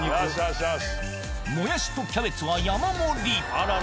もやしとキャベツは山盛り！